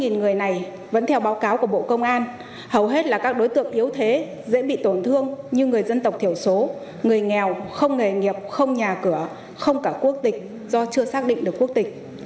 ba mươi người này vẫn theo báo cáo của bộ công an hầu hết là các đối tượng yếu thế dễ bị tổn thương như người dân tộc thiểu số người nghèo không nghề nghiệp không nhà cửa không cả quốc tịch do chưa xác định được quốc tịch